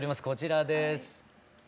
こちらです。